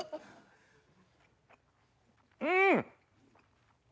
うん！